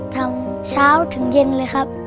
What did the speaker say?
ทั้งเช้าถึงเย็นเลยครับ